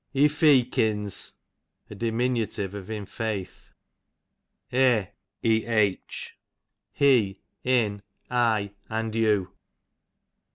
Efeakins, a diminutive of in faith. Eh, he ; in; I, and you.